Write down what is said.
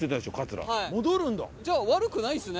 じゃあ悪くないですね。